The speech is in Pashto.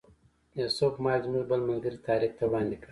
یوسف مایک زموږ بل ملګري طارق ته وړاندې کړ.